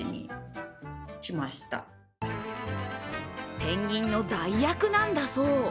ペンギンの代役なんだそう。